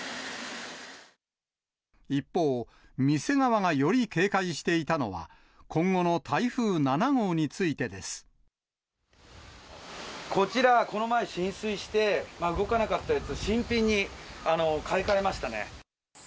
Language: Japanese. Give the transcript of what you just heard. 一方、店側がより警戒していたのは、こちら、この前浸水して、動かなかったやつを、新品に買い替えましたね。